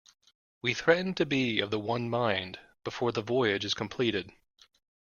We threaten to be of the one mind before the voyage is completed.